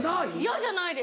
嫌じゃないです